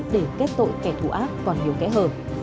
để kết tội kẻ thù ác còn nhiều kẻ hợp